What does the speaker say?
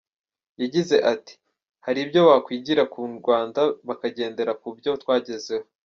Yagize ati “Hari ibyo bakwigira ku Rwanda bakagendera ku byo twagezeho.